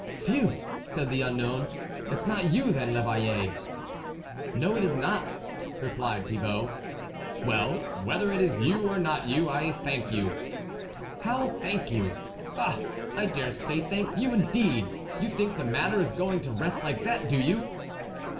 " Phew !" said the unknown, " it's not you then, l'Eveill6 ?"" No, it is not," replied Thibault. " Well, whether it is you or not you, I thank you." " How, thank you ? Ah ! I dare say ! thank you, indeed ! You think the matter is going to rest like that, do you